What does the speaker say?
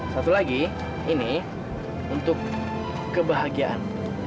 satu lagi ini untuk kebahagiaan